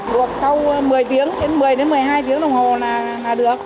luộc sau mười tiếng đến mười đến mười hai tiếng đồng hồ là được